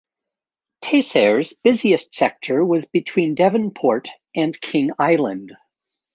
Tasair's busiest sector was between Devonport and King Island.